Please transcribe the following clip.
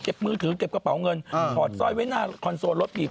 มือถือเก็บกระเป๋าเงินถอดสร้อยไว้หน้าคอนโซลรถผิด